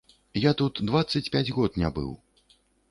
Я тут дваццаць пяць год не быў.